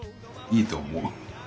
いいと思う。